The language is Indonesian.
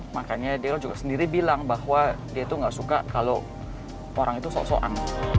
makanya dia juga sendiri bilang bahwa dia itu nggak suka kalau orang itu sok soang